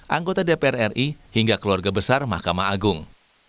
anggota dpr ri hingga keluarga besar mahkamah agung